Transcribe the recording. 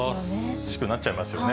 疑わしくなっちゃいますよね。